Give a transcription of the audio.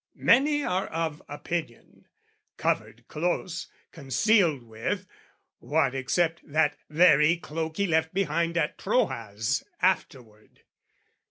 Many are of opinion, covered close, Concealed with what except that very cloak He left behind at Troas afterward?